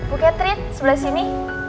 oke trit sebelah sini